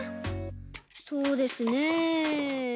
そうですね。